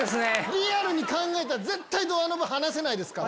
リアルに考えたら絶対ドアノブ離せないですから。